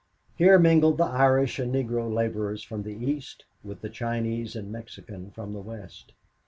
Here mingled the Irish and Negro laborers from the east with the Chinese and Mexican from the west.